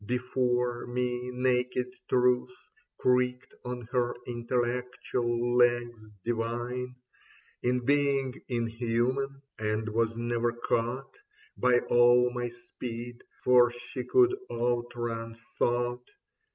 Before me naked Truth Creaked on her intellectual legs, divine In being inhuman, and was never caught By all my speed ; for she could outrun thought.